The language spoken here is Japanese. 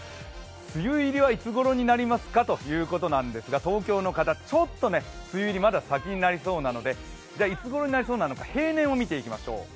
梅雨入りはいつごろになりそうですかということですが東京の方、ちょっと梅雨入りはまだ先になりそうなのでいつごろになりそうなのか、平年を見ていきましょう。